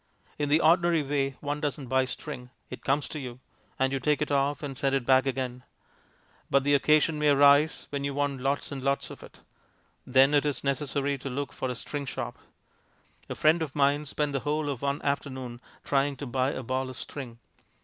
In the ordinary way one doesn't buy string; it comes to you, and you take it off and send it back again. But the occasion may arise when you want lots and lots of it. Then it is necessary to look for a string shop. A friend of mine spent the whole of one afternoon trying to buy a ball of string.